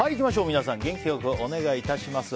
皆さん元気良くお願いいたします。